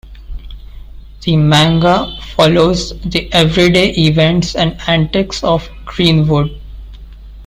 The manga follows the everyday events and antics of Greenwood.